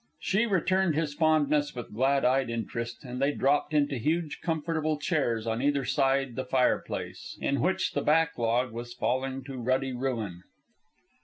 She returned his fondness with glad eyed interest, and they dropped into huge comfortable chairs on either side the fireplace, in which the back log was falling to ruddy ruin.